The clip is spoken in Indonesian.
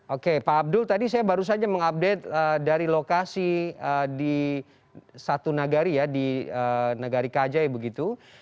oke pak abdul tadi saya baru saja mengupdate dari lokasi di satu nagari ya di negari kajai begitu